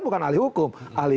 bukan ahli hukum